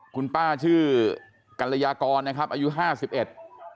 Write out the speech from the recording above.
คุณป้าชื่อกัลยากรนะครับอายุห้าสิบเอ็ด